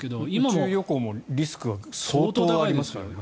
宇宙旅行もリスクは相当ありますからね。